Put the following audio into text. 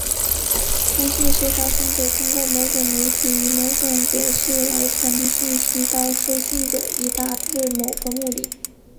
通信是发送者通过某种媒体以某种格式来传递信息到收信者以达致某个目的。